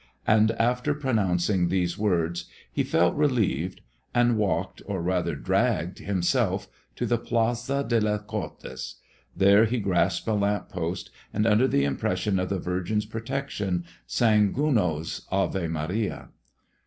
And after pronouncing these words he felt relieved and walked, or rather dragged himself, to the Plaza de las Cortes. There he grasped a lamp post, and under the impression of the Virgin's protection sang Gounod's "Ave Maria."